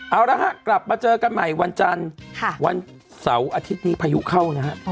เอาละฮะกลับมาเจอกันใหม่วันจันทร์วันเสาร์อาทิตย์นี้พายุเข้านะฮะ